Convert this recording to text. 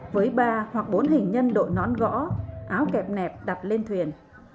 với ba hoặc bốn hình nhân đội nón gõ áo kẹp nẹp đặt lên thuyền